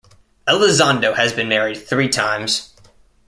Elizondo has been married three times.